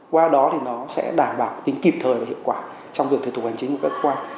qua đó thì nó sẽ đảm bảo tính kịp thời và hiệu quả trong việc thực tục hành chính của các quán